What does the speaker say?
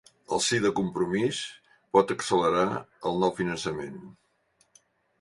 El sí de Compromís pot accelerar el nou finançament